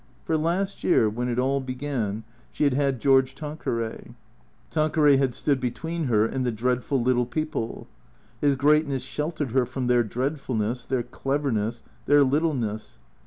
For last year, when it all began, she had had George Tan queray. Tanqueray had stood between her and the dreadful lit tle people. His greatness sheltered her from their dreadfulness, their cleverness, their littleness.